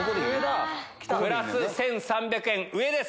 プラス１３００円上です。